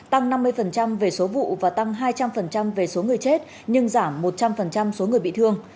tăng năm mươi về số vụ và tăng hai trăm linh về số người chết nhưng giảm một trăm linh số người bị thương